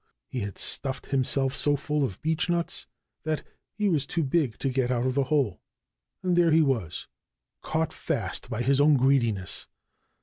He had stuffed himself so full of beechnuts that he was too big to get out of the hole. And there he was caught fast by his own greediness!